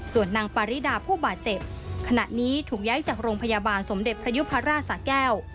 ส่วนนางปาริดาผู้บาดเจ็บขณะนี้ถูกย้ายจากโรงพยาบาลสมเด็จพระยุพราชสะแก้ว